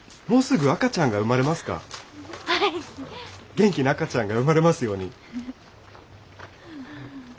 元気な赤ちゃんが生まれますように。